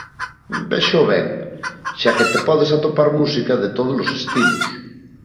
Véxoo ben, xa que te podes atopar música de todos os estilos.